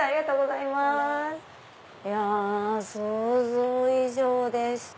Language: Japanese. いや想像以上でした。